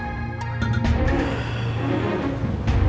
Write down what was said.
kita bersaing secara kebaikan